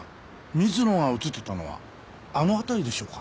水野が映ってたのはあの辺りでしょうか？